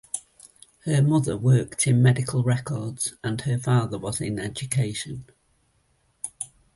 Her mother worked in medical records and her father was in education.